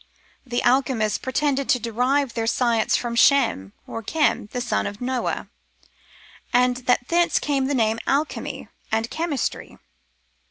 The alchemists pretended to derive their science from Shem, or Chem, the son of Noah, and that thence came the name dXchemyy and chemistry.